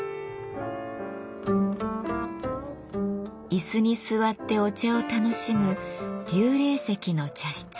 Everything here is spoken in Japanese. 椅子に座ってお茶を楽しむ立礼席の茶室。